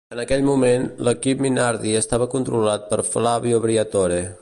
En aquell moment, l'equip Minardi estava controlat per Flavio Briatore.